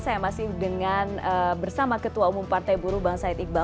saya masih bersama ketua umum partai buruh bang said iqbal